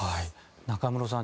中室さん